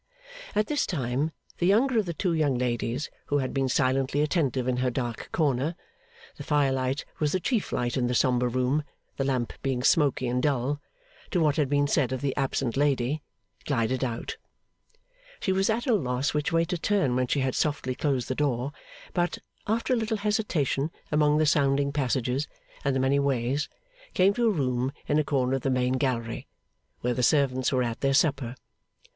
At this time, the younger of the two young ladies, who had been silently attentive in her dark corner (the fire light was the chief light in the sombre room, the lamp being smoky and dull) to what had been said of the absent lady, glided out. She was at a loss which way to turn when she had softly closed the door; but, after a little hesitation among the sounding passages and the many ways, came to a room in a corner of the main gallery, where the servants were at their supper.